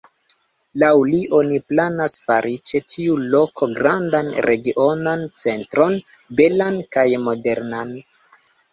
Laŭ li, oni planas fari ĉe tiu loko grandan regionan centron, belan kaj modernan.